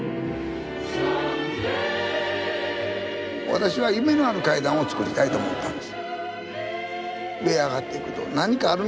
私は夢のある階段を作りたいと思ったんです。